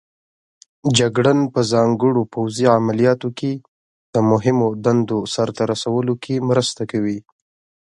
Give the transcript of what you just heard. جګړن په ځانګړو پوځي عملیاتو کې د مهمو دندو سرته رسولو کې مرسته کوي.